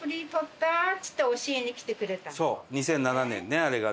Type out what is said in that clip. そう２００７年ねあれが。